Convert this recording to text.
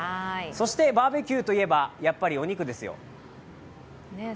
そしてバーベキューといえばやっぱりお肉ですよ。